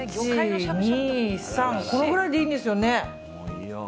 このくらいでいいんですよね。